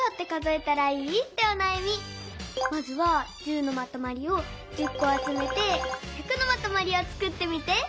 まずは１０のまとまりを１０こあつめて「１００」のまとまりをつくってみて。